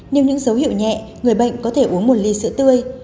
nếu những dấu hiệu nhẹ người bệnh có thể uống một ly sữa tươi